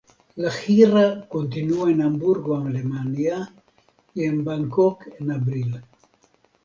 La gira continuó en Hamburgo, Alemania y en Bangkok en abril.